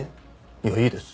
いやいいです。